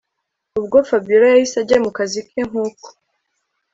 Ubwo Fabiora yahise ajya mukazi ke nkuko